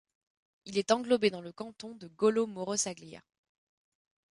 Il est englobé dans le canton de Golo-Morosaglia.